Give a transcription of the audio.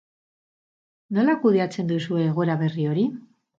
Nola kudeatzen duzue egoera berri hori?